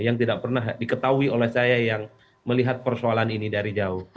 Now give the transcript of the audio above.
yang tidak pernah diketahui oleh saya yang melihat persoalan ini dari jauh